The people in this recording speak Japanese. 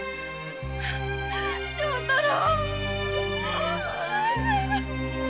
正太郎！